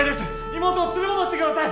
妹を連れ戻してください。